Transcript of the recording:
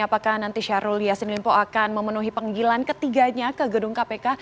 apakah nanti syahrul yassin limpo akan memenuhi panggilan ketiganya ke gedung kpk